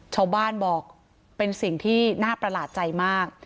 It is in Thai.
ชาวบ้านบอกเป็นสิ่งที่น่าประหลาดใจมาก